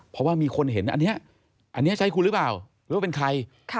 เพราะว่ามีคนเห็นอันนี้อันนี้ใช่คุณหรือเปล่าหรือว่าเป็นใคร